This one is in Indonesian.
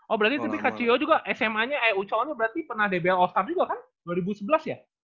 oh berarti tapi kcio juga sma nya eucono berarti pernah dbl all star juga kan dua ribu sebelas ya